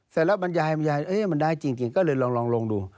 เสร็จแล้วบรรยายบรรยายมันได้จริงก็เลยลองดู